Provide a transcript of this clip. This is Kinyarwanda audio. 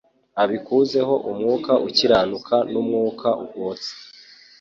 abikuzeho umwuka ukiranuka n'umwuka wotsa.